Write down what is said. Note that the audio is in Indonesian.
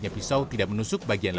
sambil batah pisaunya